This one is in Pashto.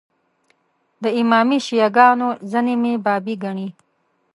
د امامي شیعه ګانو ځینې مې بابي ګڼي.